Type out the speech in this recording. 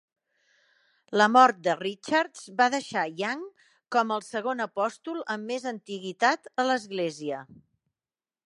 La mort de Richards va deixar Young com al segon apòstol amb més antiguitat a l'església.